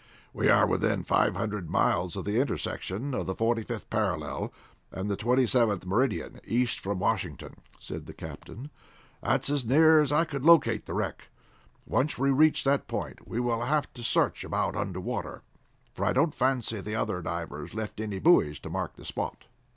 "We are within five hundred miles of the intersection of the forty fifth parallel and the twenty seventh meridian, east from Washington," said the captain. "That's as near as I could locate the wreck. Once we reach that point we will have to search about under water, for I don't fancy the other divers left any buoys to mark the spot."